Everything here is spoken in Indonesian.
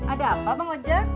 ada apa bang oja